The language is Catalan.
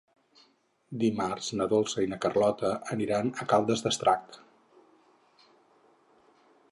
Dimarts na Dolça i na Carlota aniran a Caldes d'Estrac.